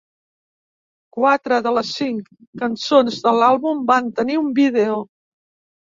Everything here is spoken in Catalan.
Quatre de les cinc cançons de l'àlbum van tenir un vídeo.